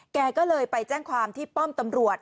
แกก็เลยไปแจ้งความที่ป้อมตำรวจ